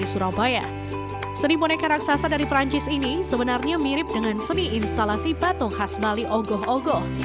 seni boneka raksasa dari perancis ini sebenarnya mirip dengan seni instalasi batu khas bali ogoh ogoh